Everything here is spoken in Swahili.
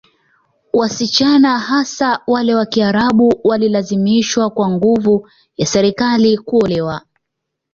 Wasichana hasa wale wa Kiarabu walilazimishwa kwa nguvu ya Serikali kuolewa